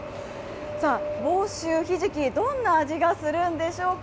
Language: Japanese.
さあ、房州ひじき、どんな味がするんでしょうか。